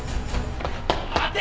待て！